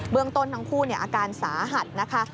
เมืองต้นทั้งคู่อาการสาหัสนะคะ